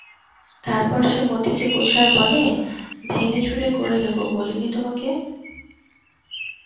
তারপর সে মতিকে বোঝায় বলে, ভেঙেচুরে গড়ে নেব বলিনি তোমাকে?